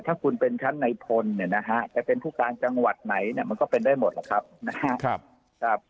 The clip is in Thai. ถ้าคุณเป็นชั้นในพลเนี่ยนะฮะจะเป็นผู้การจังหวัดไหนเนี่ยมันก็เป็นได้หมดล่ะครับนะครับ